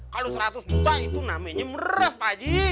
kalau seratus juta itu namanya meres pak haji